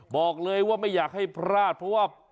บอกเลยว่าไม่อยากให้พลาดเพราะว่า